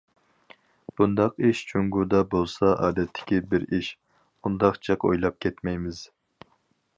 بۇنداق ئىش جۇڭگودا بولسا ئادەتتىكى بىر ئىش، ئۇنداق جىق ئويلاپ كەتمەيمىز.